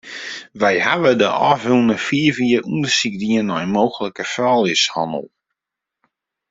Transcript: Wy hawwe de ôfrûne fiif jier ûndersyk dien nei mooglike frouljushannel.